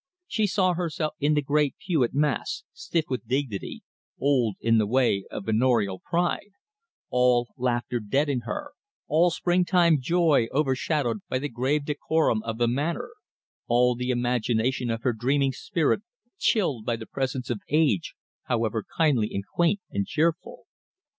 She saw herself in the great pew at Mass, stiff with dignity, old in the way of manorial pride all laughter dead in her, all spring time joy overshadowed by the grave decorum of the Manor, all the imagination of her dreaming spirit chilled by the presence of age, however kindly and quaint and cheerful.